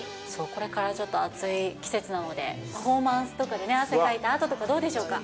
これからちょっと暑い季節なので、パフォーマンスとかで汗かいたあととかどうでしょうか。